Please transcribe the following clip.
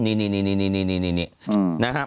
นี่นะฮะ